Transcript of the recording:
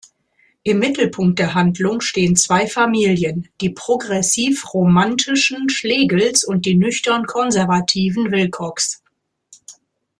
Im Mittelpunkt der Handlung stehen zwei Familien: die progressiv-romantischen Schlegels und die nüchtern-konservativen Wilcox'.